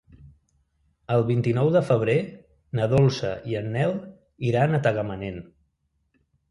El vint-i-nou de febrer na Dolça i en Nel iran a Tagamanent.